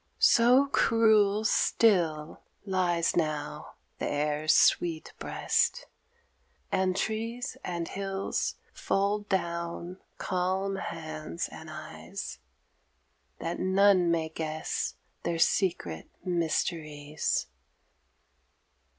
So cruel still lies now the air's sweet breast And trees and hills fold down calm hands and eyes, That none may guess their secret mysteries.